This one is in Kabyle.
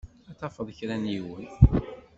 Ad tafeḍ kra n yiwen.